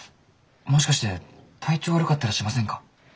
もしかして体調悪かったりしませんか？